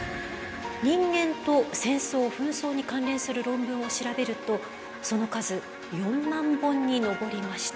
人間と戦争・紛争に関連する論文を調べるとその数４万本に上りました。